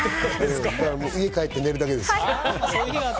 家に帰って寝るだけです。